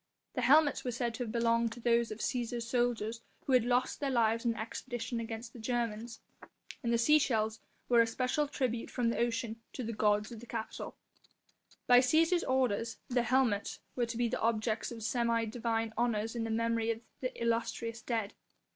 The helmets were said to have belonged to those of Cæsar's soldiers who had lost their lives in the expedition against the Germans, and the sea shells were a special tribute from the ocean to the gods of the Capitol. By the Cæsar's orders the helmets were to be the objects of semi divine honours in memory of the illustrious dead.